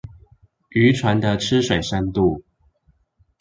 漁船的吃水深度